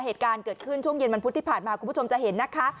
เหตุการณ์เกิดขึ้นช่วงเย็นวันพุธที่ผ่านมาคุณผู้ชมจะเห็นนะคะ